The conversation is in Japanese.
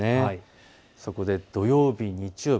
そこで土曜日、日曜日